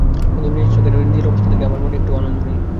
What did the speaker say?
কিন্তু নিজের চোখে নিজের অবস্থা দেখে আমার মনে একটুও আনন্দ নেই।